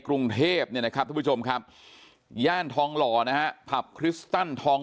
กรุงเทพเนี่ยนะครับทุกผู้ชมครับย่านทองหล่อนะฮะผับคริสตันทอง